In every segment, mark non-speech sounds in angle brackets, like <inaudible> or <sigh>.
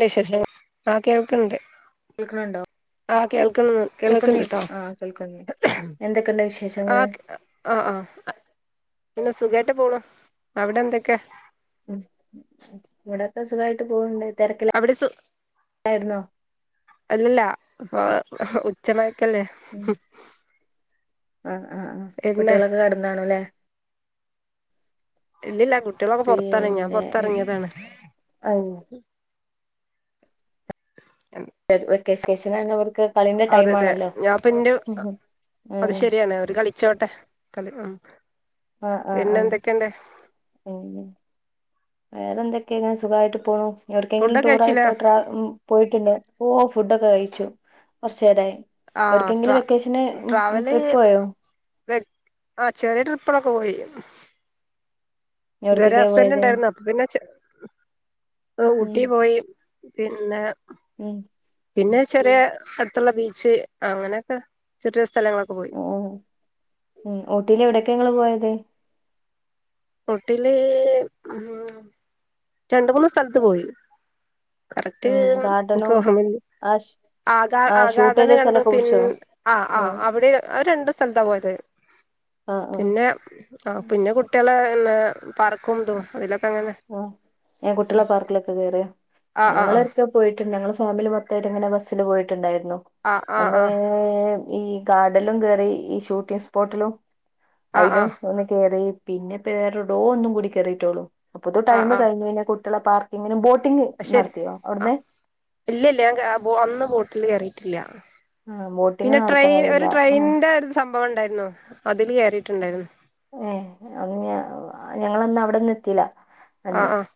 വിശേഷം ആ കേൾക്കണ്ട് കേൾക്ക്ണണ്ടോ ആഹ് കേൾക്ക കേൾക്കണ്ട്ട്ടോ ആഹ് കേൾക്കുന്നു എന്തൊക്കെയുണ്ട് ആ വിശേഷങ്ങള് ആ ആ പിന്നെ സുഖായിട്ട് പോണു അവിടെ എന്തൊക്കെയാ ഉ ഇവിടൊക്കെ സുഖമായിട്ട് പോവ്ണ്ട് അവിടെ സു തിരക്കിലായിരുന്നോ അല്ലല്ല ഇപ്പ ഉച്ചമായക്കല്ലേ ഉം ആ ആ ആ പിന്നെ കുട്ടികളൊക്കെ കിടന്ന് കാണും അല്ലേ ഇല്ലില്ല കുട്ടികളൊക്കെ പുറത്താണ് ഞാൻ പുറത്തിറങ്ങിയതാണ് അ എ വെക്കേഷനാണ് അവർക്ക് കളീന്റെ ടൈം അതെതെ ആണല്ലോ ഞാൻ പിന്നെ ഉം അത് ആഹ് ശെരിയാണ് ഒരു കളി കളിച്ചോട്ടെ കളി ഉം ആഹ് ആഹ് പിന്നെ ആഹ് എന്തൊക്കെയുണ്ട് അങ്ങനെ വേറെ എന്തൊക്കെയാണ് ങ്ങനെ സുഖായിട്ട് പോകണു എവിർക്കെങ്കിലും ഫുഡൊക്കെ ടൂർ കഴിച്ചില്ലേ ആായിട്ടോ ട്രാവ ഉം പോയിട്ടുണ്ട് ഓ ഫുഡൊക്കെ കഴിച്ചു കുറച്ചു നേരായി ആ ട്രാ എവിടക്കെങ്കിലും വെക്കേഷന് ട്രാവല് ട്രിപ്പ് പോയോ ആ ചെറിയ ട്രിപ്പിളൊക്കെ പോയി ഇതുവരെ എവിടക്കൊക്കെയാ ഹസ്ബൻഡ് പോയത് ഉണ്ടായിരുന്നു പിന്നെ ഉം ഊട്ടി പോയി പിന്നെ ഉം പിന്നെ ചെറിയ അടുത്തുള്ള ബീച്ച് അങ്ങനെയൊക്കെ ചെറിയ സ്ഥലങ്ങളൊക്കെ പോയി ഓ ഉ ഊട്ടിൽ എവിടെയൊക്കെ ങ്ങള് പോയത് ട്ടില് ഉ രണ്ട് മൂന്ന് സ്ഥലത്ത് പോയി കറക്റ്റ് ഉം എനിക്ക് ഗാർഡനും ഓർമ ആ ഷ് ആ ഷൂട്ട് ചെയ്ത ആഗാർഡന്ന് കണ്ടു സ്ഥലൊക്കെ പിന്നെ പിടിച്ചോ ആ ആ അവിടെ രണ്ട് സ്ഥലത്താ പോയത്ത് ആ ആ പിന്നെ ആ പിന്നെ കുട്ടികളെ ന്നെ പാർക്കും ഇതും അതിലൊക്കെ അങ്ങനെ ആ ഏ ഉം കുട്ടികളെ പാർക്കിലൊക്കെ കേറിയോ ആ ആ ആ ഞങ്ങളൊരിക്കെ പോയിട്ടുണ്ട് ഞങ്ങള് ഫാമിലി മൊത്തായിട്ട് ഇങ്ങനെ ബസ്സില് പോയിട്ടുണ്ടായിരുന്നു ആ ആ അന്ന് ആ ഈ ഗാർഡനിലും കേയറി ഈ ഷൂട്ടിങ് സ്പോട്ടിലും അതിലും ആ ഒന്ന് കേയറി പിന്നെ ഇപ്പ വേറെ ടോ ഒന്നും കൂടി കയറിയിട്ടോളൂ അപ്പൊത്തി ആ ടൈം ആ ആ കഴിഞ്ഞു പിന്നെ കുട്ടികള പാർക്കിങ്ങിനും ബോട്ടിംഗ് നടത്തിയോ അവിടന്ന് ഇല്ലല്ല ഞാൻ അന്ന് ബോട്ടിൽ കയറിയിട്ടില്ല ആ ബോട്ടിംഗ് പിന്നെ നടത്താൻ ട്രെയിൻ ഒരു കഴിയില്ല ആ ട്രെയിനിന്റെ ഒരു സംഭവം ഉണ്ടായിരുന്നു അതില് കേറിയിട്ടുണ്ടായിരുന്നു ഏ അ ഞ ഞങ്ങളന്ന് അവിടൊന്ന് എത്തില അന്ന് ആഹ് ആഹ്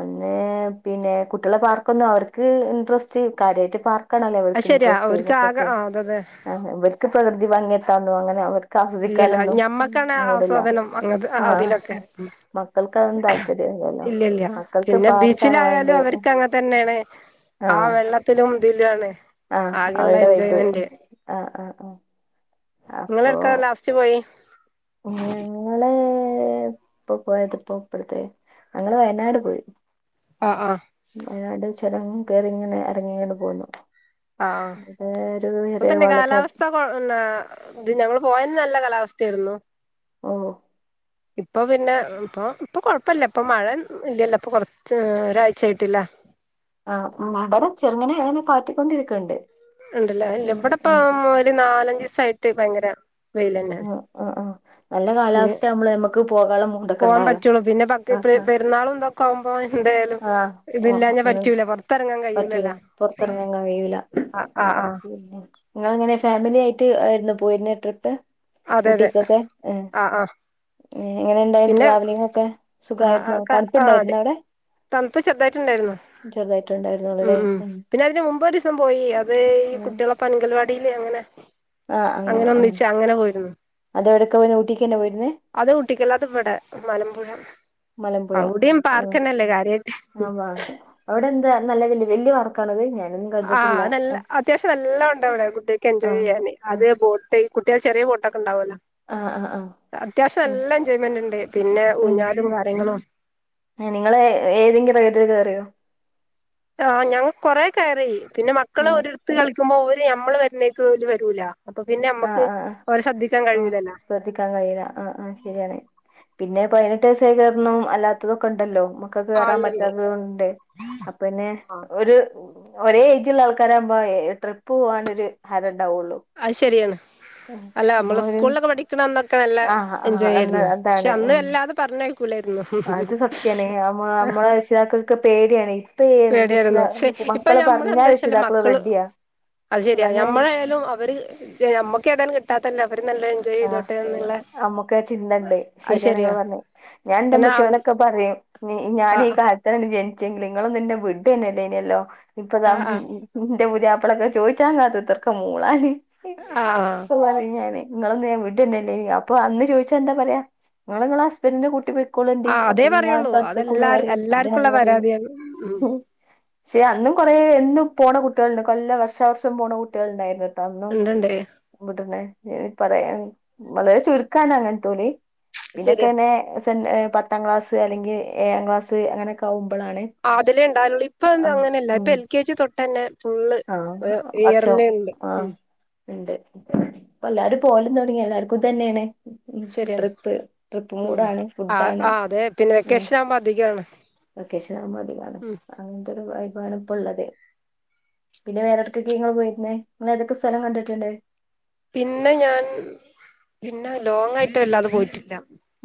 അന്ന് പിന്നെ കുട്ടിയാളെ പാർക്കൊന്നും അവർക്ക് ഇൻട്രസ്റ്റ് കാര്യായിട്ട് പാർക്ക് ക്കാണല്ലോ അത് ഓൽക്ക് ശരിയാ ഇൻട്രസ്റ്റ് അവർക്ക് ആകെ മക്കൾക്ക് ആഹ് അതെ അതെ ആ ഇവർക്ക് പ്രകൃതി ഭംഗിയെത്താനും അങ്ങനെ ഇല്ലല്ല അവർക്കാസ്വദിക്കാനൊന്നും ഞമ്മക്കാണ് മൂട്ല്ല ആസ്വാദനം അങ്ങത് ആഹ് അതിലൊക്കെ മക്കൾക്കതും താല്പര്യ ഇല്ലല്ലോ ഇല്ല ഇല്ല മക്കക്ക് പിന്നെ പാർക്കാണ് ബീച്ചിലായാലും വാണ്ടിയെ. അവർക്ക് അങ്ങനെ തന്നെയാണ് അഹ് ആ വെള്ളത്തിലും തിലാണ് ആ അവടെയ്ബ് ആഹ് ആഹ് ആഹ് അപ്പോ. ഫസ്റ്റ് പോയി ഞങ്ങള് ഇപ്പൊ പോയത്പ്പോ ഇപ്പട്ത്ത് ഞങ്ങള് വയനാട് പോയി. അഹ് ആഹ് വയനാട് ചൊരങ് കയറി ഇങ്ങനെ എറങ്ങി ഇങ്ങട് പോന്നു. ആഹ് അത് ഒരു ചേറ്യ വള്ളച്ചാട്. ഇപ്പോ നാ ഇത് ഞങ്ങള് പോയന്ന് നല്ല കാലാവസ്ഥായിരുന്നു. ഓഹ് ഇപ്പൊ പിന്നെ ഇപ്പൊ ഇപ്പൊ കൊഴപ്പില്ല ഇപ്പ മഴ ഇല്ലല്ലോ. ഇപ്പൊ കുറച്ച് ഒരാഴ്ച്ചായിട്ട് ലേ. ആ മടെലെ ചെർങ്ങനേന് പാറ്റിക്കൊണ്ടിരിക്ക്ണ്ട്. ഇണ്ട് ലേ. ഇല്ല ഇബടെ ഇപ്പൊ ഒരു നാലഞ്ചീസായിട്ട് ഭയങ്കെരെ. അഹ് ആഹ് ആഹ് ഇഞ് മൂടൊക്കെ പോവാ ഉണ്ടാവ പറ്റൊള്ളു. പിന്നെ പക്ര ആ ആ പെരുന്നാളും ഇത് ക്ക് കൗമ്പോ എന്തായാലും ആ ആ ഇതില്ലാഞ്ഞ ഒന്നും പറ്റൂല പൊറ്ത്തെറങ്ങാൻ പറ്റൂല കഴൂലല്ലോ ആഹ്. പൊറത്തിറങ്ങാൻ അഹ് ആഹ് ആഹ് ഇങ്ങളെങ്ങനെ ഫാമിലി ആയിട്ട് ആയിര്ന്നെ പോയിര്ന്നെ ട്രിപ്പ് അതെ അതെ ഊട്ടിക്കൊക്കെ ഏഹ്. ആഹ് ആഹ് എങ്ങനെ ഇണ്ടായും പിന്നെ ട്രാവലിംങ്ങൊക്കെ സുഖായിരുന്നോ തണുപ്പുണ്ടായിരുന്നോ അവടെ. തണ്പ്പ് ചെുതായിട്ട് ഇണ്ടേര്ന്നു ചെറുതായിട്ടുണ്ടായിരുന്നുള്ളൂ ഉം ല്ലേ ഉം പിന്നെ അതിന് മുമ്പ് ഒരീസം പോയി അതീ ഉം കുട്ട്യേളെപ്പ് പ്പങ്കൽവാടിൽ അങ്ങനെ അങ്ങനെ ഒന്നിച്ച് അങ്ങനെ പോയി. അതെവിട്ക്ക <unintelligible> ഊട്ടിക്കെന്നെ പോയിരുന്നേ. അത് ഊട്ടിക്കല്ല അത് ഇവടെ. മലമ്പുഴ മലമ്പുഴ അവിടിം ആ പാർക്കന്നെല്ലേ കാര്യായിട്ട്. ആ വാ അവിടെ എന്താ നല്ല വ വല്യെ വർക്ക്‌ ക്കണവെയ്ഞ്ഞാലും ആഹ് അത് നല്ല അത്യാവശ്യം നല്ലോണ്ടൗടെ കുട്ട്യേക്ക് ആ എൻജോയ് ചെയ്യാന് ഉം. അത് ബോട് ട്ടീ കുട്ട്യേൾ ചെറ്യേ ബോട്ടൊക്കൊണ്ടാവോലോ. ആ ആ ആ അത്യാവശ്യം ഉം നല്ല എൻജോയ്മെന്റ്ണ്ട്. പിന്നെ ഊഞ്ഞാലും കാര്യങ്ങളും. ഇങ്ങള് ഏതെങ്കിലും റേയ്ടില് കേറ്യാേ ആ ഞാങ് കൊറേ കരയു. പിന്നെ മക്കളെ ഉം ഒരിടത്ത് കളിക്കുമ്പോ അവര് നമ്മള് വരുന്നയ്ക്കോല് വരൂല. അപ്പൊ പിന്നെ ആ അമ്മക്ക് ആ ആ ഓലെ ശ്രദ്ധിക്കാൻ ആ കഴിയൂലല്ലോ. ശ്രദ്ധിക്കാൻ കഴിയൂല. ആഹ് ആഹ് ശരി ആണ്. പിന്നെ പതിനെട്ട് വയസായി കേറണം അല്ലാത്തതൊക്കെ ഇണ്ടല്ലോ മ ക്ക് കേറാൻ ആളുണ്ട് പറ്റാത്തതൂണ്ട് അപ്പഞ്ഞ് ആഹ് ഒരു ഒരേ ഏയ്ജിലുള്ള ആൾക്കാരാമ്പോ ട്രിപ്പ് പോകാനൊരു ഹരണ്ടാവൊള്ളു. അത് ശരിയാണ് അല്ല നമ്മള് സ്കൂളിലൊക്കെ പഠിക്കണ അന്നൊക്കെ നല്ല ആ ആ ആ എൻജോയ് അന്ന് ആയിരുന്നു. പക്ഷെ അതാണ് അന്ന് ഉം വല്ലാതെ പറഞ്ഞയ് കൂലേയിര്ന്നു. അത് സത്യാണ് നമ്മ നമ്മളെ രക്ഷിതാക്കൾക്ക് പേടിയാണ് ഇപ്പ രക്ഷിതാ പേടിയായിരുന്നു ഷെ ഇപ്പ മക്കള് പറഞ്ഞാ മ്മളെന്ത് വെച്ചാല് രക്ഷിതാക്കള് മക്കള് റെഡിയാ അത് ശരിയാ അങ്ങനെ ഞമ്മളായാലും അവര് നമ്മക്ക് ഏതാലും കിട്ടാത്തല്ലേ അവര് നല്ല എൻജോയ് ചെയ്തോട്ടെ ന്ന്ള്ളെ നമ്മുക്കാ ചിന്തണ്ട് ശരിയാണങ്ങള് പറ്ഞ്ഞെ ഞാ പിന്നെ അന്ന് ഇന്റെമ്മച്യാേടൊക്കെ പറയും ആ ഞാനീ കാ ഇപ്പളാണ് ജനിച്ചെ നിങ്ങളൊന്നും ബന്നെ വിടെന്നെല്ലേയ്ന്യല്ലോ ഇപ്പതാ ആ ആ ഇന്റെ പുതിയാപ്ലക്കെ ചോയിച്ചാ കാത്ത് കുത്തർക്ക് മൂളാൻ ആ ആ <unintelligible> പോവാഞ്ഞാല് ഇങ്ങളൊന്നു ഞാൻ വിടന്നെല്ലേയ്നി. അപ്പൊ അന്ന് ചോയിച്ച എന്താ പറയാ. ഇങ്ങള് ഇങ്ങളെ ഹസ്ബന്റിനെ കൂട്ടി പോയ്‌ ക്കോളണ്ടി ആ അപ്പ അതേ ഞാൻ പറയുള്ളൂ തട്ത്തക്കൂല അതെല്ലാർ എല്ലാർക്കുള്ള പറിം പരാതിയാണ് ഉം <unintelligible> ചെയാ അന്നും കൊറേ എന്നും പോണ കുട്ടികൾണ്ട് കൊല്ല വർഷാവർഷം പോണ കുട്ടികൾണ്ടായിരുന്നു. തന്നും ഉണ്ട്ണ്ട് <unintelligible> പറയാൻ വളരെ ചുരുക്കാണ് അങ്ങനെത്തോല്. ശരിയാ പിന്നക്കന്നെ സെൻ പത്താം ക്ലാസ് അല്ലെങ്കി ഏഴാം ക്ലാസ് അങ്ങനക്കയാവുമ്പളാണ് ആതിലേണ്ടാകലുള്ളൂ ഇപ്പങ്ങനെയല്ല ഇപ്പെ എൽ കെ ജി തൊട്ടന്നെ ഫുള്ള് ആ ഒരോ ഇയർല്ണ്ട്. ഇണ്ട് ഇപ്പല്ലാരും പോവലും തൊ ടങ്ങി എല്ലാർക്കുതന്നെയാണ്. ശരിയാണ് ട്രിപ്പ് ട്രിപ്പ് ഉം മൂഡാണ് ആ ഫുഡാണ് ആ അതെ പിന്നെ ഉം വെക്കേഷൻ ആവുമ്പോ അധികാണ് ലൊക്കേഷൻ മതിയാണ് ഉം അങ്ങൻത്തൊരു വൈബാണ് ഇപ്പള്ളത്. പിന്നെ വേറെടക്കക്കെ ഇങ്ങള് പോയിരുന്നെ ങ്ങളേതൊക്കെ സ്ഥലം കണ്ടിട്ട്ണ്ട്. പിന്നെ ഞാൻ പിന്നെ ലോങ് ആയിട്ടല്ലാതെ പോയിട്ടില്ല.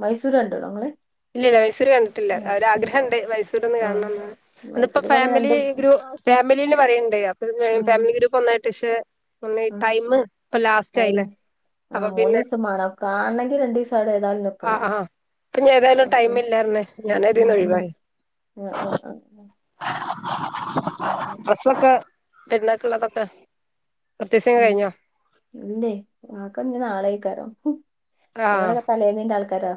മൈസൂര് കണ്ടോനോങ്ങള്? ഇല്ലില്ല മൈസൂര് കണ്ടിട്ടില്ല ഒരാഗ്രഹണ്ട് മൈസൂരോന്ന് ആഹ് കാണണന്ന്‌ ഇന്നിപ്പ മൈസൂര് പോണേ ഫാമിലി രണ്ട് ഗ്രൂ ഫാമിലിൽന്ന് പറയണ്ട് അപ്പന്ന്‌ ഉം ഫാമിലി ഗ്രൂപ്പ് ഒന്നായിട്ട് ക്ഷെ ഒന്ന്‌ ഉം ടൈമ് ഇപ്പ ലാസ്റ്റ് ആയില്ലേ അപ്പൊ പിന്നെ കാൺണങ്കി രണ്ടീസവിടെ ഏതാലും നി ആഹ് ആഹ് പ്പഏതായാലും ടൈമില്ലാർന്നെ ഉം ഉം ഞാനതിന്നൊഴുവായി. ആഹ് ആഹ് ആഹ് ആഹ് അങ്ങനെ സൊക്കെ പെരുന്നാൾക്കിള്ളതൊക്കെ പർച്ചേഴ്സിംഗ് ഉം കഴിഞ്ഞോ? ഇല്ലേ ആക്കെന്നി നാളെയാക്കരം ആഹ് ഞങ്ങളൊക്കെ തലേന്നീന്റെ ആൾക്കാരാ.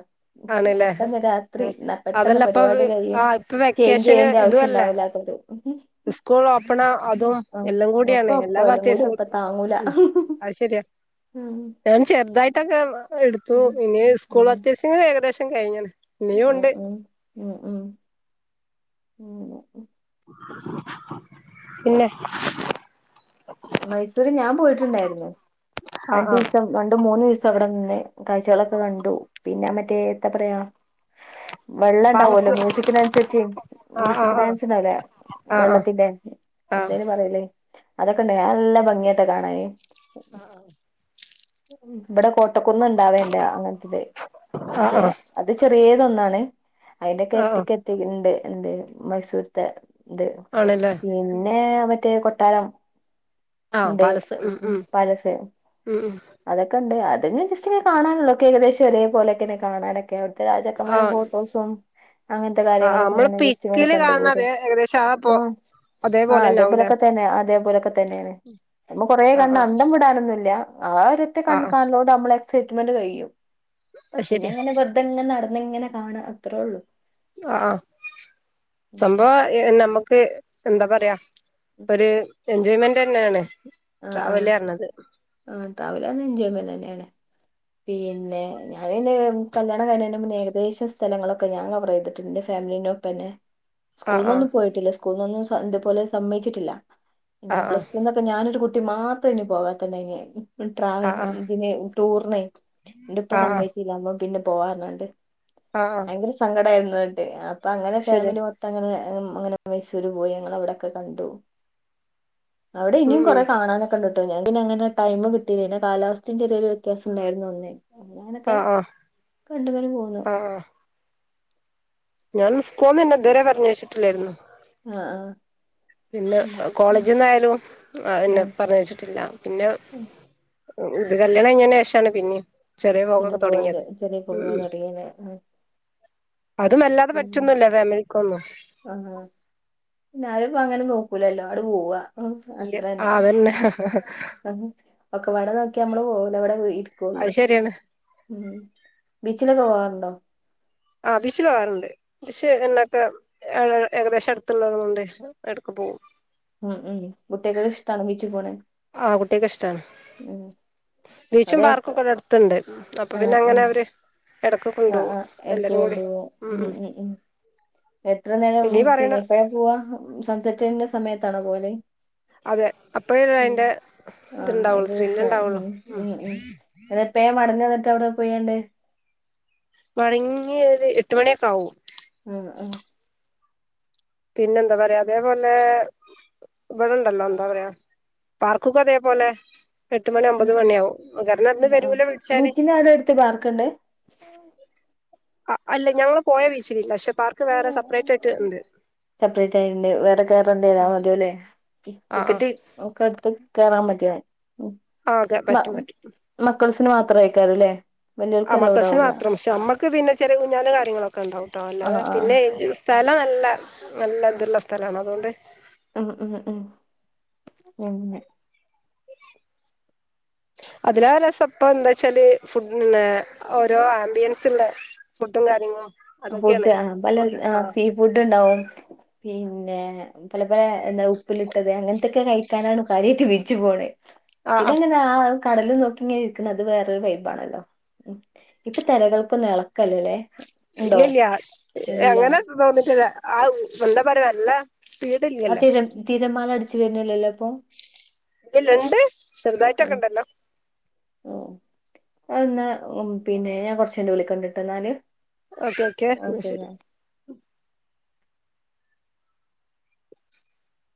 ആണ്ല്ലേ പെട്ടെന്ന് രാത്രി ന്നപെട്ടന്ന് അതല്ല ഇപ്പൊ പരിപാടിം കഴിയും ആഹ് ഇപ്പൊ വെക്കേഷന് ചെയ്ഞ്ചേയ്യേണ്ട ആവിശ്യണ്ടാവുലാത്തോണ്ട് <unintelligible> സ്കൂളോപ്പണാ അതോ? എല്ലാം കൂടിയാണ് ഒക്കെ എല്ലാ ഒപ്പം എല്ലാം കൂടി പർച്ചേഴ്സും ഒപ്പം താങ്ങൂല ഉം അയ് ശെരിയാ. ഉം ഞാൻ ചെർതായിട്ടക്കെ എടുത്തു ഉം ഇനി സ്കൂൾ പർച്ചേഴ്സിംഗ് ഏകദേശം കഴിഞ്ഞാണ്. ആഹ് ആഹ് ഉം ഉം <unintelligible> പിന്നെ? മൈസൂര് ഞാൻ പോയിട്ടുണ്ടായിരുന്നു ആഹ് ആഹ് രണ്ടുസം രണ്ടു മൂന്നുസം അവിടെ നിന്ന് കാഴ്ചകളക്കെ കണ്ടു പിന്നെ മറ്റേ എത്താ പറയാ വെള്ളോണ്ടാവല്ലോ പാലസ് മ്യൂസിക്കിനനുസരിച്ച് ആഹ് മ്യൂസിക് ആഹ് ഡാൻസിണ്ടാവല്ലേ ആഹ് വെള്ളത്തിന്റെ ആഹ് ആഹ് എന്തേയ്നു ആഹ് പറയല് അതൊക്കെണ്ടായ്ന് നല്ല ഭംഗിയാട്ടൊ കാണാന്. ആഹ് ആഹ് ഇമ്പടെ കോട്ടക്കുന്ന്ണ്ടാവേണ്ട അങ്ങൻത്തത് ആഹ് ആഹ് ഷെ അത് ചെറിയതന്നാണ്. ആഹ് ആഹ് അയിൻൻറ്റെരട്ടികേരട്ടിക്ണ്ട് എന്ത് മൈസൂർത്തെ. ത് ആണല്ലേ പിന്നെ മറ്റേ കൊട്ടാരം ആഹ് ഉണ്ട് പാലസ് ഉം ഉം ഉം ഉം അതെക്കണ്ട് അതിങ്ങനെ ജസ്റ്റ് കാണാനൊള്ളൊക്ക ഏകദേശം ഒരേപോലൊക്കെ കാണാനൊക്കെ. ത്തെ രാജാക്കന്മാരു ആഹ് ഫോട്ടോസും അങ്ങൻത്തെ ആഹ് നമ്മള് കാര്യങ്ങളൊക്കെങ്ങനെ ജസ്റ്റന്ന് പിക്കില് കണ്ടുപോര. കാണത് ഏകദേശം ആ പോ ആഹ് ആഹ് അതേപോലെന്നാവൂലേ അതേപോലക്ക തന്നെയ അതേപോലക്ക തന്നെണ് നമ്മ കൊറേ ആഹ് കണ്ട് ആഹ് അന്തം വിടാനൊന്നുല്ല ആ ഒരൊറ്റ കൺ ആഹ് ആഹ് കാണലോണ്ട് മ്മളെ എക്സൈറ്റ്മെന്റ് കഴിയും അത് ശരിയാ പിന്നെങ്ങനെ വെർ തെങ്ങനെ നടന്നിങ്ങനെ കാണാ അത്രേള്ളു. ആഹ് സംഭവ ഏഹ് നമ്മക്ക് എന്താ പറയാ ഒരു എൻജോയ്മെന്റ് തന്നെയാണ്. ആഹ് ആ ട്രാവല് പറഞ്ഞത് ആഹ് ട്രാവൽ ആന്ന് എൻജോയ് മെന്റ് തന്നെയാണ്. പിന്നെ ഞാൻ എന്റെകല്യാണം കഴിഞ്ഞതിന് മുന്നെ ഏകദേശം സ്ഥലങ്ങളൊക്കെ ഞാൻ കവർ ചെയ്തിട്ടുണ്ട്. ഫാമിലിന്റെ ഒപ്പല്ലേ ആ ആ സ്കൂളന്നൊന്നും പോയിട്ടില്ല സ്കൂളന്നൊന്നും ഇതുപോലെ സമ്മയിച്ചിട്ടില്ല ആ പിന്നെ ആ പ്ലസ് ടുന്നൊക്കെ ഞാനൊരു കുട്ട---' ട്ടി മാത്രം ഇനി പോകാത്തത് ഇണ്ടായ്നെ ആ ട്രാവൽ ആ ഇതിന് ടൂറിനെ എന്റെ ഉപ്പ ആ ആ സമ്മതിച്ചില്ല നമ്മ പിന്നെ പോവാന്ന് പറഞ്ഞിട്ട് ആഹ് ഒര് സങ്കടായിരുന്ന്ട്ട് അപ്പ അങ്ങനെ ഫാമിലി മൊ അങ്ങനെ അങ്ങനെ മൈസൂര് പോയി ഞങ്ങൾ അവിടെൊക്കെ കണ്ടു. അവിടെ ഉം ഇനിയും ഉം കുറെ കാണാനൊക്കെണ്ടിട്ടോ ഞാങ്ങനെ ടൈം കിട്ടയില്ലന്റെ കാലാവസ്ഥയും ചെറിയ ഒരു വ്യത്യാസം ഉണ്ടായിരുന്നു അന്നേ. ആ നൊക്കെ ആ കണ്ട്ങ്ങനെപോന്നു ആ ആ ഞാൻ സ്കൂള് ന്നന്നേഇതുവരെ പറഞ്ഞയച്ചിട്ടില്ലായിരുന്നു. ആ ആഹ് ഇല്ല ആഹ് കോളേജിൽ നിന്നായാലും എന്നെ ആഹ് പറഞ്ഞ് അയച്ചിട്ടില്ല. പിന്നെ ഇത് കല്യാണംകഴിഞ്ഞ ശേഷാണ് പിന്നിം ചെറിയ പിന്നെ പോക്കൊക്കെ പോയത് തുടങ്ങിയത്. ചെറിയ പോക തുടങ്ങിയത് അതുമല്ലാതെ പറ്റുന്നില്ലഫാമിലിക്കൊന്നും ആഹാ ഞാൻ ഇപ്പോ അങ്ങനെ നോക്കൂല്ലലോഅങ്ങട് പോവാ ഉം, ഇല്ല ആതന്നെ. ഹ് ഒക്കെ വാട നോക്കിയ നമ്മള് പോവൂല ഇവിടെ ഇരിക്കള്ളു. അത് ശരിയാണ് ഉം ബീച്ചിലൊക്കെ പോവാറുണ്ടോ? ആ ബിച്ചിൽ പോവാറുണ്ട്. പക്ഷെ എന്നെക്കെ ഏകദേശം അടുത്തുള്ളത് കൊണ്ട് എടക്ക് പോവും ഉം ഉം കുട്ടികക്കൊക്കെ ഇഷ്ടാണോ ബീച്ചിൽ പോണേ? ആ കുട്ടിയക്ക് ഇഷ്ടാണ് ഉം ബീച്ചും അവിടെ പാർക്കും എത്ര ഒക്കെ ഇവിടെ അടുത്തണ്ട് അപ്പൊ ആ പിന്നെ അങ്ങനെ ഉം അവര് എടക്ക് കൊണ്ടു പോകും. ണ്ടു പോവും ഉം ഉം ഉം എത്ര നേരം ഇനി പറയണ പിന്നെ എപ്പോഴാപോവാ സൺസെറ്റിന്റെ സമയത്താണോ പോകല്. അതെ അപ്പഴേ അതിന്റെ ഇത്ണ്ടാവുള്ളു ത്രില്ല് ഉണ്ടാവുള്ളു. ഉം <unintelligible> അവിടെ പോയണ്ട് മടങ്ങിയ ഒരു എട്ട് മണിയൊക്കെ ആവും. ഉം ഹ പിന്നെ എന്താ പറയാ അതേപോലെ ഇവിടെണ്ടല്ലോ എന്താ പറയാ പാർക്കൊക്കെ അതേപോലെ എട്ട് മണി ഉം അമ്പത് മണിയാവും കാരണം അന്ന് വരൂല വിളിച്ചാല്. ത്ത് പാർക്ക്ണ്ട്. ആ അല്ല ഞങ്ങള് പോയ ബീച്ചിലില്ല പക്ഷെ പാർക്ക് വേറെ സെപ്പറേറ്റ് ആയിട്ട് ഉണ്ട്. സെപ്പറേറ്റ് ആയിട്ടണ്ട് വേറെ കേയറണ്ട വരാ ആഹ് മതിയല്ലേ. ആഹ് ടിക്കറ്റ് ഒക്കെ എടുത്ത് കേറാൻ മതിയാവും ആ അതെ മ്മ പറ്റും പറ്റും മക്കൾസിന് മാത്രം ആയിക്കാറല്ലേ? ആമക്കൾ സിന്ന് മാത്രം പക്ഷേ നമ്മക്ക് പിന്നെ ചെല ഊഞ്ഞാലും കാര്യങ്ങളൊക്കെ ഉണ്ടാവു ട്ടോ ആഹ് അല്ലാതെ ആഹ് പിന്നെ സ്ഥല നല്ല നല്ല ഇതുള്ള സ്ഥലാണ് അതുകൊണ്ട് ഉംഉം ഉംപിന്നെ <inaudible> അതിനാല് രസപ്പം എന്താ വച്ചാല് ഫു പിന്നെ ഓരോ ആംബിയൻസ് ഉള്ള ഫുഡും കാര്യങ്ങളും ഫുഡ് അതൊക്കെയാണ് ആ പല ആഹ് സീ ഫുഡ് ഉണ്ടാവും പിന്നെ പല പല എന്താ ഉപ്പിലിട്ടത് അങ്ങനത്തൊക്കെ കഴിക്കാനാണ് കാര്യയിട്ട് ബിച്ച് പോണ ആഹ് പിന്നെ ആഹ് അങ്ങനെ ആ കടല് നോക്കി ഇങ്ങനെ ഇരിക്കുന്നത് അത് വേറൊരു വൈബ്ണലോ ഇപ്പൊ തിരകൾക്കൊന്നും എളക്കല്ലല്ലേ ഇല്ല ഇല്ലയ അങ്ങനൊന്നും തോന്നിട്ടില്ല ആ <unintelligible> പറയ നല്ല സ്പീഡ് ആ ഇല്ലല്ലോ തിര തീരമാല അടിച്ചു വരുന്നല്ലല്ലോ ഇപ്പോ ഇല്ലണ്ട് ചെറുതായിട്ടൊക്കെ ഉണ്ടല്ലോ ഓ അഹ് ന്ന പിന്നെ ഞാൻ കുറച്ചേക്കഴിഞ്ഞ് വിളിക്കണ്ട് ട്ടോ ന്നാല് ഓക്കേ ഓക്കെ എന്ന ശരി <unintelligible>